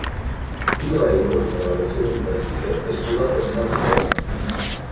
Il re, inoltre, nella versione di Basile è sposato ad un'altra donna.